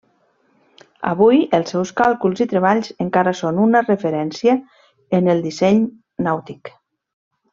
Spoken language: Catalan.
Avui, els seus càlculs i treballs encara són una referència en el disseny nàutic.